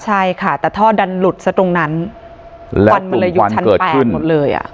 ใช่ค่ะแต่ถ้าดันหลุดซะตรงนั้นควันมันเลยหยุดชั้น๘หมดเลย